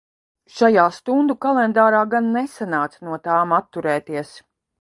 Šajā "Stundu kalendārā" gan nesanāca no tām atturēties.